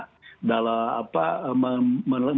jadi kita harus